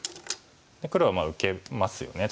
黒はまあ受けますよね。